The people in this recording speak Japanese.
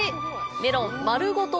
メロン丸ごと